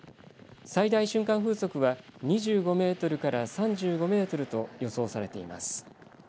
最大瞬間風速は２５メートルから３５メートルと予想されています。